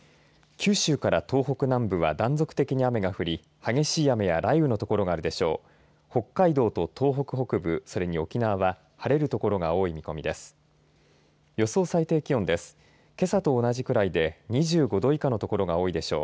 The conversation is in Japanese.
九州から東北南部は断続的に雨が降り激しい雨や雷雨の所があるでしょう。